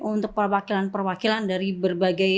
untuk perwakilan perwakilan dari berbagai